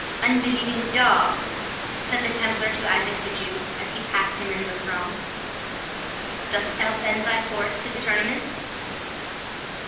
"Unbelieving dog," said the Templar to Isaac the Jew, as he passed him in the throng, "dost thou bend thy course to the tournament?"